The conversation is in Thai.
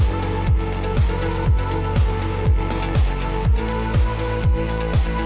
โปรดติดตามดูไทยรัดทีวี